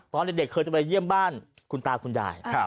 ตอนเด็กเคยจะไปเยี่ยมบ้านคุณตาคุณยาย